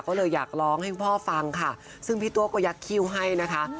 ก็เลยอยากร้องให้พ่อฟังค่ะซึ่งพี่ตัวก็ยักษิ้วให้นะคะ